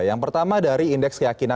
yang pertama dari indeks keyakinan